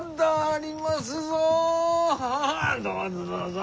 どうぞどうぞ。